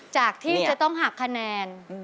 จากที่จะต้องหักคะแนน